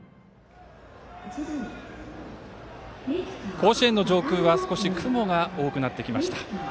甲子園の上空は少し雲が多くなってきました。